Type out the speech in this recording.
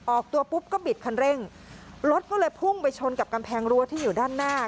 ออกตัวปุ๊บก็บิดคันเร่งรถก็เลยพุ่งไปชนกับกำแพงรั้วที่อยู่ด้านหน้า